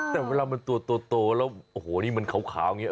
แต่เวลามันตัวแล้วโอ้โหนี่มันขาวมันน่ารักนะ